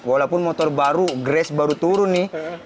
walaupun motor baru grace baru turun nih